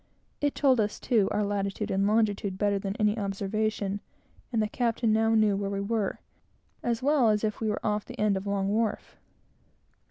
It told us, too, our latitude and longitude better than any observation; and the captain now knew where we were, as well as if we were off the end of Long wharf.